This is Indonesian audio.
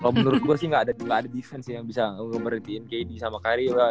kalo menurut gue sih ga ada defense yang bisa ngomertiin kyrie sama kyrie